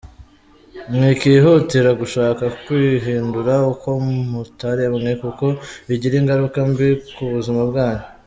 Mwikihutira gushaka kwihindura uko mutaremwe kuko bigira ingaruka mbi ku buzima bwanyu.